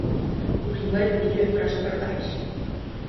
O primeiro milho é para os pardais.